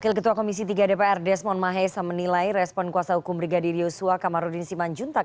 wakil ketua komisi tiga dpr desmond mahesa menilai respon kuasa hukum brigadir yosua kamarudin simanjuntak